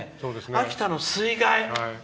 秋田の水害。